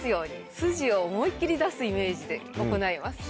筋を思いっ切り出すイメージで行います。